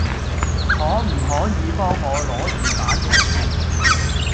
可唔可以幫我攞著把遮先